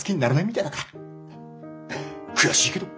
悔しいけど。